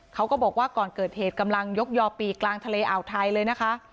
เขาก็บอกว่าก่อนเกิดเหตุกำลังยกยอปีกลางทะเลอ่าวไทยเลยนะคะ